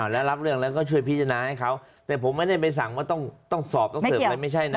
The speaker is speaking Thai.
แล้วรับเรื่องแล้วก็ช่วยพิจารณาให้เขาแต่ผมไม่ได้ไปสั่งว่าต้องสอบต้องเสิร์ฟอะไรไม่ใช่นะ